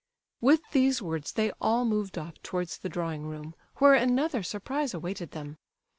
With these words they all moved off towards the drawing room, where another surprise awaited them.